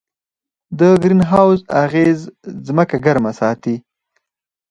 د ګرین هاوس اغېز ځمکه ګرمه ساتي.